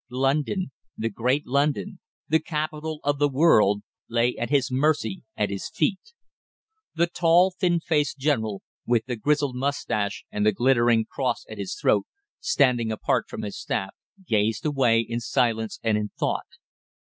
London the great London the capital of the world lay at his mercy at his feet. The tall, thin faced General, with the grizzled moustache and the glittering cross at his throat, standing apart from his staff, gazed away in silence and in thought.